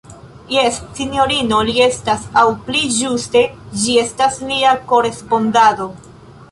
Jes, sinjorino, li estas; aŭ pli ĝuste, ĝi estas lia korespondado.